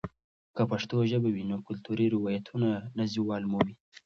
که پښتو ژبه وي، نو کلتوري روایتونه نه زوال مومي.